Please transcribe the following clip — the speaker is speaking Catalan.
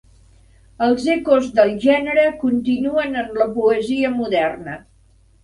Els ecos del gènere continuen en la poesia moderna.